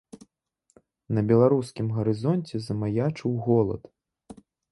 На беларускім гарызонце замаячыў голад.